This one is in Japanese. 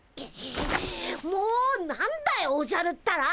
もう何だよおじゃるったら！